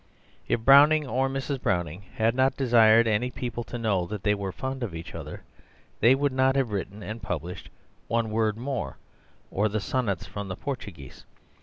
If Browning or Mrs. Browning had not desired any people to know that they were fond of each other, they would not have written and published "One Word More" or "The Sonnets from the Portuguese."